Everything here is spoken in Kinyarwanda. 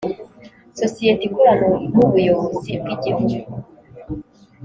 sosiyete ikorana nubuyobozi bwigihugu.